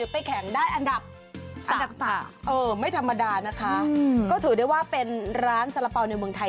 ไปแข่งอะไรเป็นรางวัลอะไร